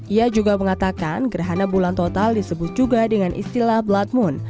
ia juga mengatakan gerhana bulan total disebut juga dengan istilah blood moon